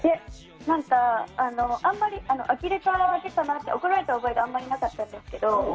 何か、あきれただけで怒られた覚えはあんまりなかったんですけど。